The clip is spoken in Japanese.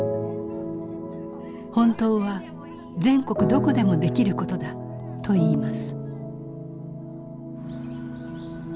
本当は全国どこでもできることだと言います。